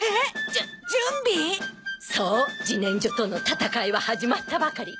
じねんじょとの闘いは始まったばかり。